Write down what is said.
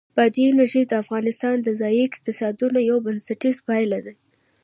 بادي انرژي د افغانستان د ځایي اقتصادونو یو بنسټیز پایایه دی.